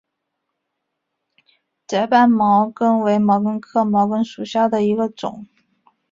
窄瓣毛茛为毛茛科毛茛属下的一个种。